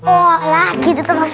oh lagi tuh tuh ustaz